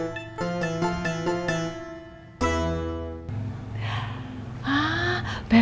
tidak ada yang mau dek